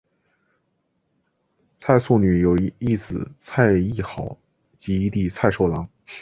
蔡素女有一姊蔡亦好及一弟蔡寿郎。